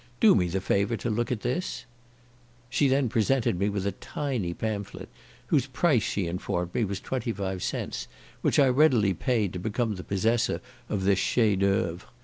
Do me the favour to look at this," She then presented me with a tiny pamphlet, whose price, she informed me, was twenty five cents, which I readily paid to become the possessor of this chef d'oeuvre.